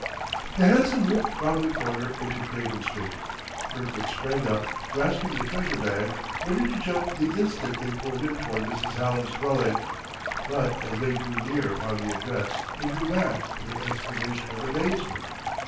The hansom whipped round the corner into Craven Street. Kirkwood sprang up, grasping the treasure bag, ready to jump the instant they pulled in toward Mrs. Hallam's dwelling. But as they drew near upon the address he drew back with an exclamation of amazement.